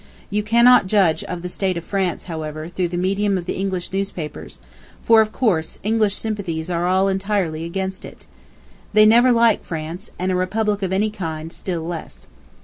... You cannot judge of the state of France, however, through the medium of the English newspapers, for, of course, English sympathies are all entirely against it. They never like France, and a republic of any kind still less.